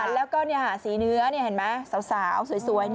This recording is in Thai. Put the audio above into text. แล้วก็สีเนื้อเห็นไหมสาวสวย